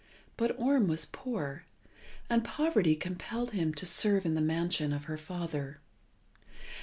But Orm was poor, and poverty compelled him to serve in the mansion of her father.